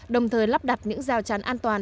đồng thời lắp đặt những rào trán an toàn